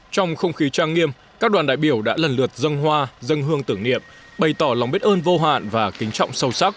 trong không khí trang nghiêm các đoàn đại biểu đã lần lượt dân hoa dân hương tưởng niệm bày tỏ lòng biết ơn vô hạn và kính trọng sâu sắc